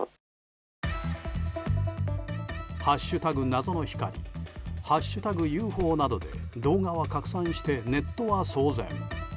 「＃謎の光」「＃ＵＦＯ」などで動画は拡散してネットは騒然。